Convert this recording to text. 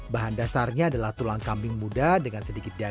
bahan dasarnya adalah tulang kambing muda dengan sedikit daging